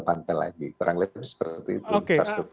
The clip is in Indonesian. panpel lagi kurang lebih seperti itu